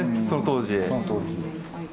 その当時。